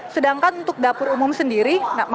sedangkan untuk dapur umum sendiri